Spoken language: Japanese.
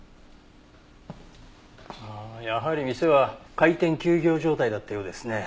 ああやはり店は開店休業状態だったようですね。